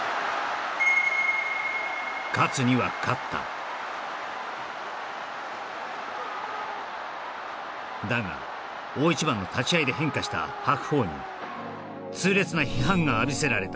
勝つには勝っただが大一番の立ち合いで変化した白鵬に痛烈な批判が浴びせられた